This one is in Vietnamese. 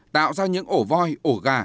tạo ra những ổ voi ổ gà